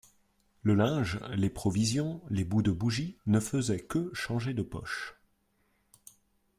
Le linge, les provisions, les bouts de bougie, ne faisaient que changer de poche.